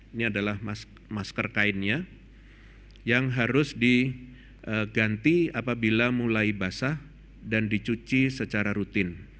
ini adalah masker kainnya yang harus diganti apabila mulai basah dan dicuci secara rutin